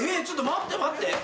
ちょっと待って待って。